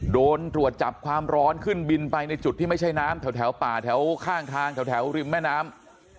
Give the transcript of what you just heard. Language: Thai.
โดนตรวจจับความร้อนขึ้นบินไปในจุดที่ไม่ใช่น้ำแถวป่าแถวข้างทางแถวริมแม่น้ำ